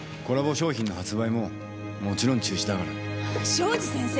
庄司先生！？